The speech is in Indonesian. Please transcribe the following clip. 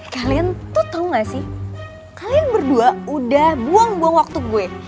kalian tuh tahu gak sih kalian berdua udah buang buang waktu gue